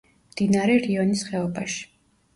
მდინარე რიონის ხეობაში.